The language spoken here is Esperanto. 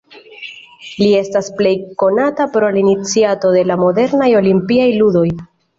Li estas plej konata pro la iniciato de la modernaj Olimpiaj ludoj.